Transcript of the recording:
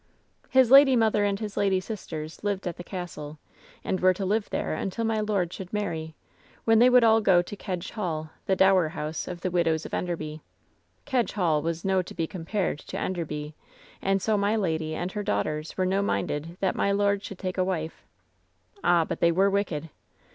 "His lady mother and his lady sisters lived at the castle, and were to live there until my lord should marry, when they would all go to Kedge Hall, the dower house of the Widows of Enderby. Kedge Hall was no to be compared to Enderby Castle, and so my lady and her daughters were no minded that my lord should take a wife. "Ah, but they were wicked